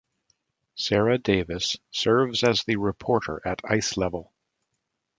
Sarah Davis serves as the reporter at ice level.